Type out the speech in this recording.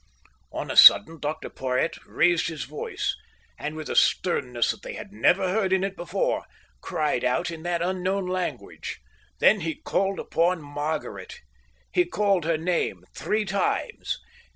On a sudden, Dr Porhoët raised his voice, and with a sternness they had never heard in it before, cried out in that unknown language. Then he called upon Margaret. He called her name three times.